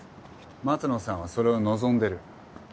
松野さんはそれを望んでる。